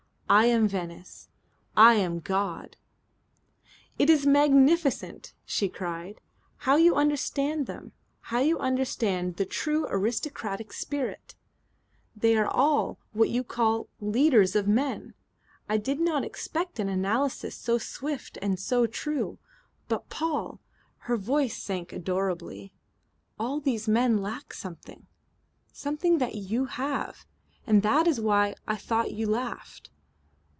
I am Venice. I am God.'" "It is magnificent!" she cried. "How you understand them! How you understand the true aristocratic spirit! They are all, what you call, leaders of men. I did not expect an analysis so swift and so true. But, Paul" her voice sank adorably "all these men lack something something that you have. And that is why I thought you laughed."